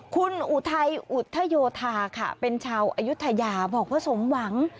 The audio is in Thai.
คุณอุทัยอุทธโยธาค่ะเป็นชาวอายุทยาบอกว่าสมหวัง